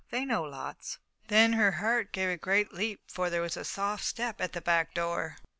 "They know lots." Then her heart gave a great leap, for there was a soft step at the back door.